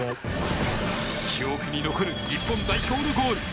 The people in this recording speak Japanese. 記憶に残る日本代表のゴール。